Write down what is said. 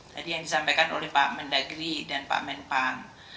tadi yang disampaikan oleh pak mendagri dan pak menpang